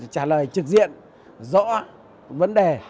trả lời trực diện rõ vấn đề